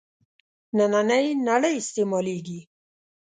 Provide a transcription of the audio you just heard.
نننۍ نړۍ استعمالېږي.